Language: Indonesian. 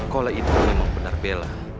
kalau itu memang benar bela